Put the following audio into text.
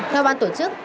theo ban tổ chức